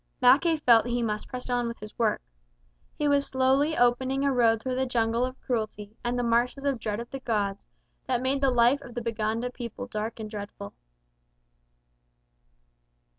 Mackay felt he must press on with his work. He was slowly opening a road through the jungle of cruelty and the marshes of dread of the gods that made the life of the Baganda people dark and dreadful.